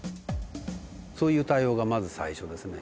そういう対応がまず最初ですね。